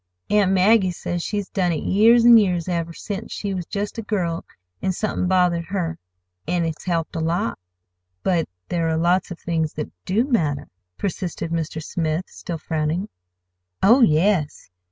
Aunt Maggie says she's done it years an' years, ever since she was just a girl, an' somethin' bothered her; an' it's helped a lot." "But there are lots of things that do matter," persisted Mr. Smith, still frowning. "Oh, yes!"